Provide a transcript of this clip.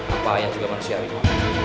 apa ayah juga manusia hari ini